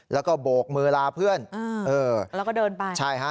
แล้วก็โบกมือลาเพื่อนเออแล้วก็เดินไปใช่ฮะ